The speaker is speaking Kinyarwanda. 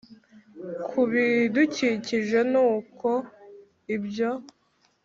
ku bidukikije n uko ibyo